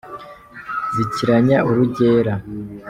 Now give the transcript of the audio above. Zikiranya urugera